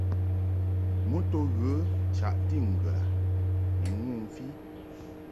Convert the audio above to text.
Mɨ to ghə chaʼti ŋgəd a ni ŋu mfi.